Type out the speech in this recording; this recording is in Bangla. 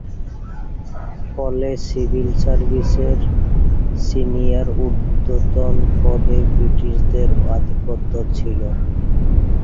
ফলে সিভিল সার্ভিসের সিনিয়র ঊর্ধ্বতন পদে ব্রিটিশদের আধিপত্য ছিল।